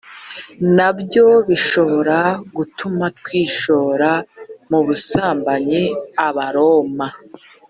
na byo bishobora gutuma twishora mu busambanyi abaroma